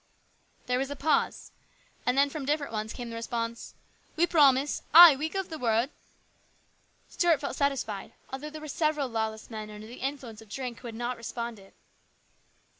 There was a pause, and then from different ones came the response, " We promise. Ay, we'll give the word." Stuart felt satisfied, although there were several lawless men under the influence of drink who had not responded.